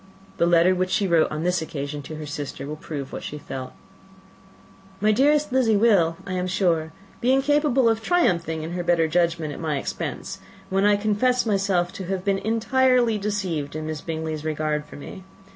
The letter which she wrote on this occasion to her sister will prove what she felt: "My dearest Lizzy will, I am sure, be incapable of triumphing in her better judgment, at my expense, when I confess myself to have been entirely deceived in Miss Bingley's regard for me.